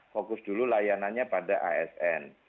fokus dulu layanannya pada asn